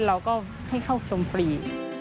เราก็ให้เข้าชมฟรี